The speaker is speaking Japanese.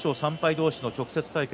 同士の直接対決。